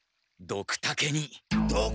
ドクタケに！？